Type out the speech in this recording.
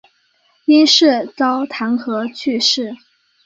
因事遭弹劾去世。